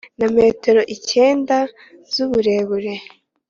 na metero icyenda z'uburebure